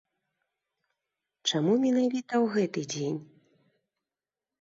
Чаму менавіта ў гэты дзень?